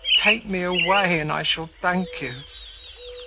Take me away and I shall thank you!"